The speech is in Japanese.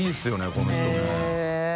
この人ね。